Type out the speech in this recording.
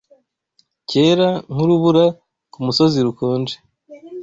Cyera nkurubura kumusozi rukonje